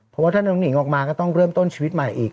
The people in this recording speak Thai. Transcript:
เท่านั้นนิ่งออกมาก็ต้องเริ่มต้นชีวิตใหม่อีก